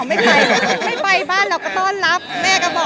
อ้าวไม่ไปไม่ไปบ้านเราก็ต้อนรับแม่ก็บอกอย่างนี้ค่ะ